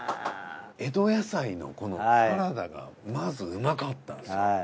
江戸野菜のこのサラダがまずうまかったんですよ。